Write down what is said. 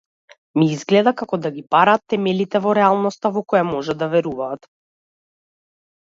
Ми изгледа како да ги бараат темелите во реалноста во која можат да веруваат.